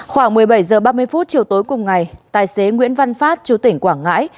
khoảng một mươi bảy h ba mươi chiều tối cùng ngày tài xế nguyễn văn phát chú tỉnh quảng ngãi